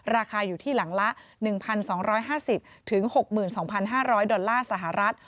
ราคาอยู่ที่หลังละ๑๒๕๐๖๒๕๐๐ดอลลาร์สหรัฐ